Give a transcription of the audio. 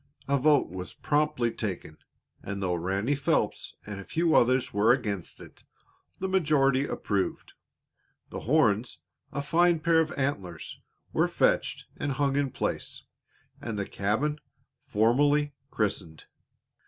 A vote was promptly taken, and though Ranny Phelps and a few others were against it, the majority approved. The horns, a fine pair of antlers, were fetched and hung in place, and the cabin formally christened.